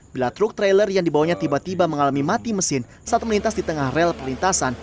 bila truk trailer yang dibawanya tiba tiba mengalami mati mesin saat melintas di tengah rel perlintasan